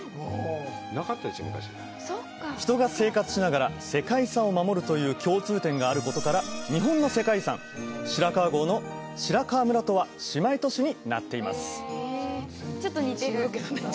人が生活しながら世界遺産を守るという共通点があることから日本の世界遺産白川郷の白川村とは姉妹都市になっています